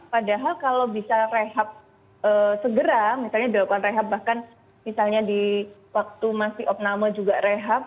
padahal kalau bisa rehab segera misalnya dilakukan rehab bahkan misalnya di waktu masih opname juga rehab